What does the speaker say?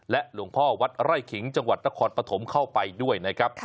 หลวงพ่อวัดไร่ขิงจังหวัดนครปฐมเข้าไปด้วยนะครับ